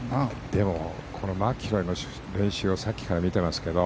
でも、マキロイの練習をさっきから見てますけど